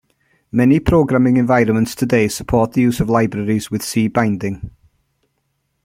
Many programming environments today support the use of libraries with C binding.